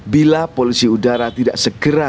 bila polusi udara tidak segera